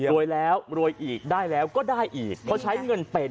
รวยแล้วรวยอีกได้แล้วก็ได้อีกเพราะใช้เงินเป็น